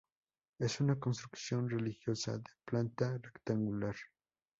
Es una construcción religiosa de planta rectangular.